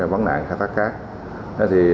vấn nạn khai thác cát